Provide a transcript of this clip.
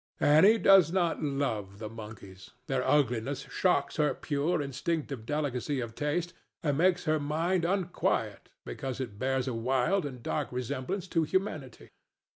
Annie does not love the monkeys; their ugliness shocks her pure, instinctive delicacy of taste and makes her mind unquiet because it bears a wild and dark resemblance to humanity.